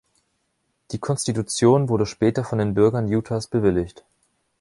Die Konstitution wurde später von den Bürgern Utahs bewilligt.